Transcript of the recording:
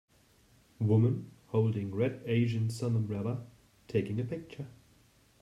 woman holding red asian sun umbrella, taking a picture.